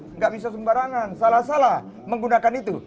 tidak bisa sembarangan salah salah menggunakan itu